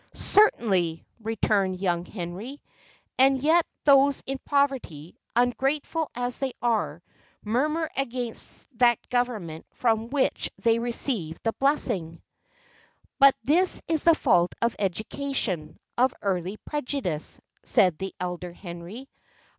"Certainly," returned young Henry, "and yet those in poverty, ungrateful as they are, murmur against that Government from which they receive the blessing." "But this is the fault of education, of early prejudice," said the elder Henry.